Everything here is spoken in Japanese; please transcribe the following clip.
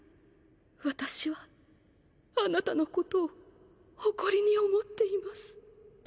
私は貴方のことを誇りに思っています」。